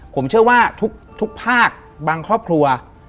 ผมเชื่อว่าทุกภาคบางครอบครัว